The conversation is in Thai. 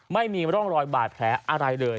ไม่มีร่องรอยบาดแผลอะไรเลย